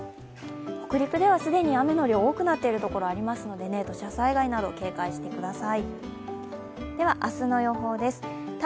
北陸では既に雨の量、多くなっている所もありますので土砂災害など警戒してください。